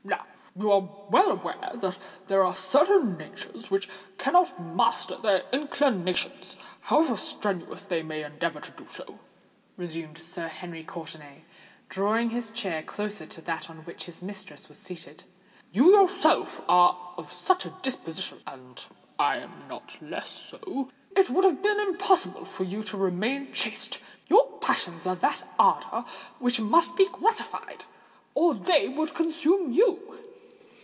"You are well aware that there are certain natures which cannot master their inclinations, however strenuously they may endeavour to do so," resumed Sir Henry Courtenay, drawing his chair closer to that on which his mistress was seated. "You yourself are of such a disposition—and I am not less so. It would have been impossible for you to remain chaste: your passions are of that ardour which must be gratified—or they would consume you."